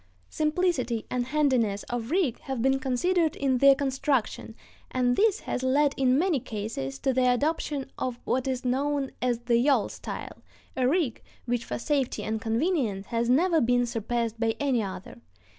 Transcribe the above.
Simplicity and handiness of rig have been considered in their construction, and this has led in many cases to the adoption of what is known as the yawl style, a rig which for safety and convenience has never been surpassed by any other.